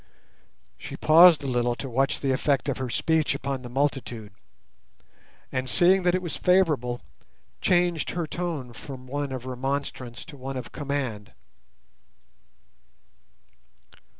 She paused a little to watch the effect of her speech upon the multitude, and seeing that it was favourable, changed her tone from one of remonstrance to one of command.